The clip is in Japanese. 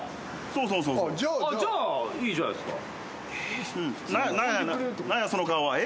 じゃあいいじゃないっすか。